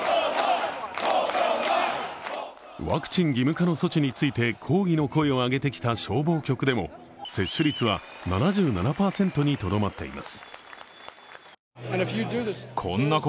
ワクチン義務化の措置について抗議の声を上げてきた消防局でも接種率は７７％にとどまっています。